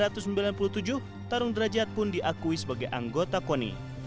tahun seribu sembilan ratus sembilan puluh tujuh tarung derajat pun diakui sebagai anggota koni